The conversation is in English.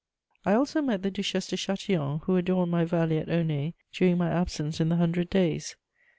I also met the Duchesse de Châtillon, who adorned my valley at Aulnay during my absence in the Hundred Days.